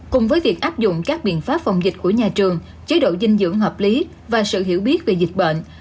cùng với việc áp dụng các biện pháp phòng dịch của nhà trường chế độ dinh dưỡng hợp lý và sự hiểu biết về dịch bệnh